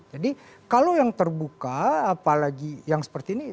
jadi kalau yang terbuka apalagi yang seperti ini